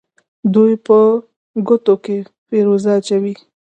دوی په ګوتو کې فیروزه اچوي.